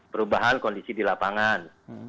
perubahan kondisi di lapangan